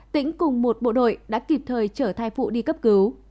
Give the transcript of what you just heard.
tĩnh cùng một bộ đội đã kịp thời chở thai phụ đi cấp cứu